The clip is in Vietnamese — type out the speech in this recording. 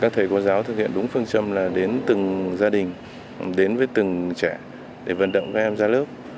các thầy cô giáo thực hiện đúng phương châm là đến từng gia đình đến với từng trẻ để vận động các em ra lớp